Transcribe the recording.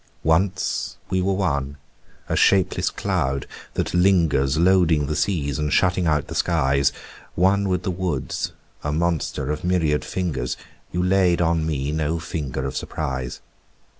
Once we were one, a shapeless cloud that lingers Loading the seas and shutting out the skies, One with the woods, a monster of myriad fingers, You laid on me no finger of surprise.